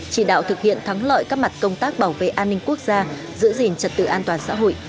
chỉ đạo thực hiện thắng lợi các mặt công tác bảo vệ an ninh quốc gia giữ gìn trật tự an toàn xã hội